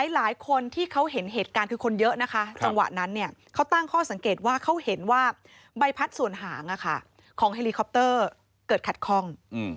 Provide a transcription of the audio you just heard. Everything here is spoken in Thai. หลายคนที่เขาเห็นเหตุการณ์คือคนเยอะนะคะจังหวะนั้นเขาตั้งข้อสังเกตว่าเขาเห็นว่าใบพัดส่วนหางของเฮลิคอปเตอร์เกิดขัดข้อง